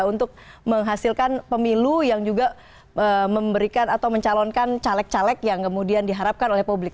untuk menghasilkan pemilu yang juga memberikan atau mencalonkan caleg caleg yang kemudian diharapkan oleh publik